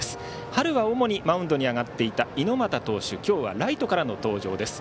春は主にマウンドに上がっていた猪俣投手は今日はライトからの登場です。